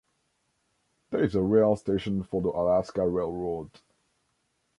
There is a rail station for the Alaska Railroad.